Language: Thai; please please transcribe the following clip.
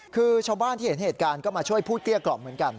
คือชาวบ้านที่เห็นเหตุการณ์ก็มาช่วยพูดเกลี้ยกล่อมเหมือนกัน